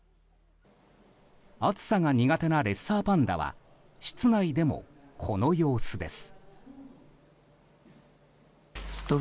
暑さが苦手なレッサーパンダは室内でもこの様子です。